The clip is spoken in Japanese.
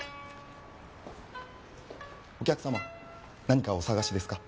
お客様何かお探しですか？